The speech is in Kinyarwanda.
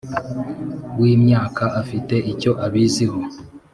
w imyaka afite icyo abiziho